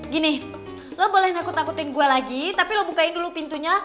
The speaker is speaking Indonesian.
gini lo boleh nakut nakutin gue lagi tapi lo bukain dulu pintunya